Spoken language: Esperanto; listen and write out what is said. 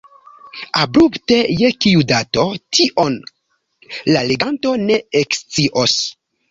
Abrupte je kiu dato, tion la leganto ne ekscios.